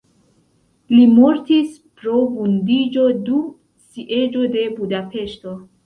Li mortis pro vundiĝo dum sieĝo de Budapeŝto.